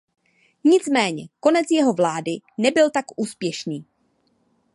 Nicméně konec jeho vlády nebyl tak úspěšný.